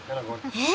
え？